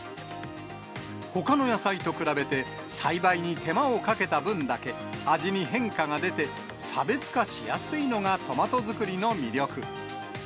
ほかの野菜と比べて、栽培に手間をかけた分だけ、味に変化が出て、差別化しやすいのがトマト作りの魅力。